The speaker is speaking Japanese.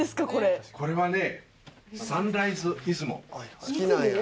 これはね。